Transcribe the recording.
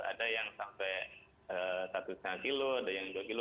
ada yang sampai satu lima kilo ada yang dua kilo